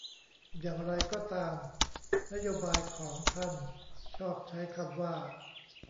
อย่างไรก็ตามนโยบายของท่านชอบใช้คำว่า